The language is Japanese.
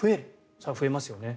それは増えますよね。